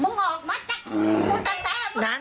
มึงออกมาจั๊ะมึงจะแป้ง